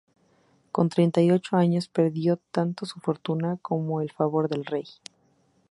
Con treinta y ocho años perdió tanto su fortuna como el favor del rey.